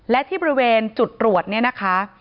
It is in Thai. และที่บริเวณจุดตรวจเนี่ยนะคะ